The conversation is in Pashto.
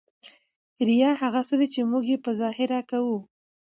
ریا هغه څه دي ، چي موږ ئې په ظاهره کوو.